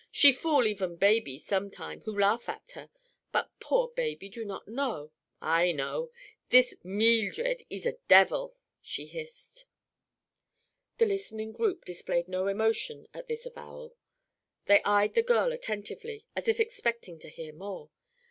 "She fool even baby, some time, who laugh at her. But poor baby do not know. I know. This Meeldred ees a devil!" she hissed. The listening group displayed no emotion at this avowal. They eyed the girl attentively, as if expecting to hear more.